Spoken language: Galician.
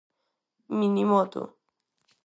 Minimoto.